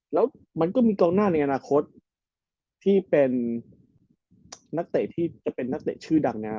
แล้วมันก็มีกองหน้าในอนาคตที่เป็นนักเตะที่จะเป็นนักเตะชื่อดังนะครับ